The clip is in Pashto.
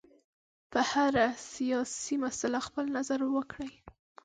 په هره سیاسي مسله خپل نظر ورکړي.